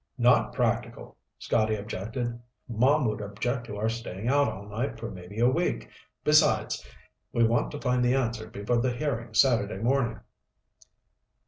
"Not practical," Scotty objected. "Mom would object to our staying out all night for maybe a week. Besides, we want to find the answer before the hearing Saturday morning."